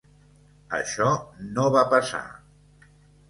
Això no va passar.